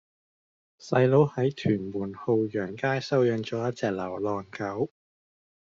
細佬喺屯門浩洋街收養左一隻流浪狗